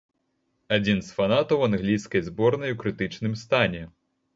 Адзін з фанатаў англійскай зборнай у крытычным стане.